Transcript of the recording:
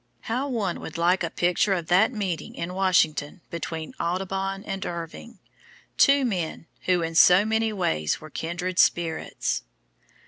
How one would like a picture of that meeting in Washington between Audubon and Irving two men who in so many ways were kindred spirits!